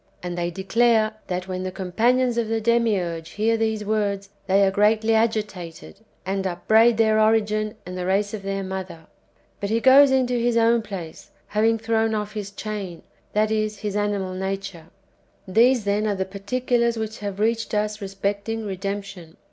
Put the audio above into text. And they declare, that when the companions of the Demiurge hear these words, they are greatly agitated, and upbraid their origin and the race of their mother. But he goes into his own place, having thrown [off] his chain, tliat is, his animal nature. These, then, are the particulars which have reached us respecting redemption.